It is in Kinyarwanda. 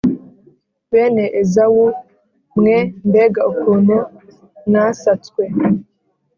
bene ezawu mwe, mbega ukuntu mwasatswe!